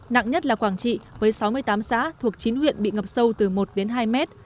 nặng nhất là quảng trị với sáu mươi tám xã thuộc chín huyện bị ngập sâu từ một đến hai mét